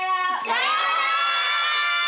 さようなら！